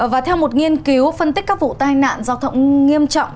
và theo một nghiên cứu phân tích các vụ tai nạn giao thông nghiêm trọng